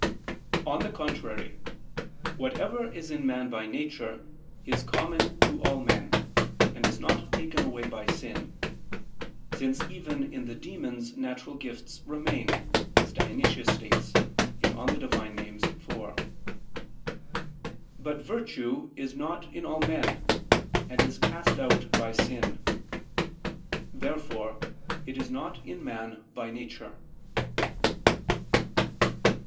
On the contrary, Whatever is in man by nature is common to all men, and is not taken away by sin, since even in the demons natural gifts remain, as Dionysius states (Div. Nom. iv). But virtue is not in all men; and is cast out by sin. Therefore it is not in man by nature.